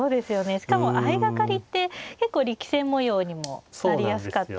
しかも相掛かりって結構力戦模様にもなりやすかったりしますし。